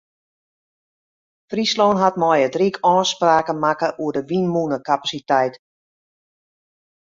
Fryslân hat mei it ryk ôfspraken makke oer de wynmûnekapasiteit.